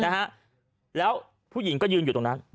นะฮะแล้วผู้หญิงก็ยืนอยู่ตรงนั้น